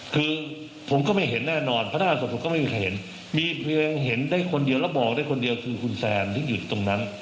คือผมก็ไม่เห็นแน่นอนพนักงานสภาพผมก็ไม่มีใครเห็นมีใครเห็นได้คนเดียวแล้วบอกได้คนเดียวคือคุณแสน